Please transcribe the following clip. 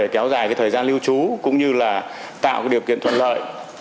kéo dài thời gian lưu trú cũng như là tạo điều kiện thuận lợi